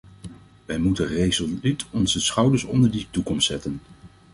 Wij moeten resoluut onze schouders onder die toekomst zetten.